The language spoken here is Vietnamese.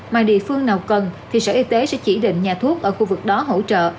mà địa phương nào cần thì sở y tế sẽ chỉ định nhà thuốc ở khu vực đó hỗ trợ